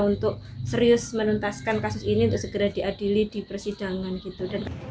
untuk serius menuntaskan kasus ini untuk segera diadili di persidangan gitu